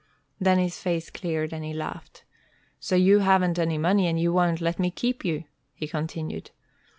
Then his face cleared, and he laughed. "So you haven't any money, and you won't let me keep you," he continued.